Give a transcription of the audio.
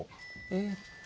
えっと